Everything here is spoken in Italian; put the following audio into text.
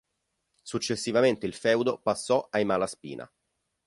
Successivamente il feudo passò ai Malaspina.